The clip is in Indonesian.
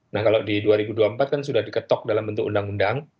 nah kalau di dua ribu dua puluh empat kan sudah diketok dalam bentuk undang undang